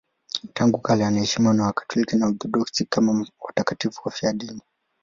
Tangu kale wanaheshimiwa na Wakatoliki na Waorthodoksi kama watakatifu wafiadini.